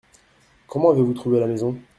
Comment avez-vous trouvé la maison ?